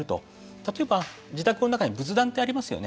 例えば、自宅の中に仏壇ってありますよね。